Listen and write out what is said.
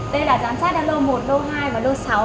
đây là giám sát lô một lô hai và lô sáu